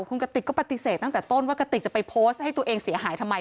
คุณกติกก็ปฏิเสธตั้งแต่ต้นว่ากติกจะไปโพสต์ให้ตัวเองเสียหายทำไม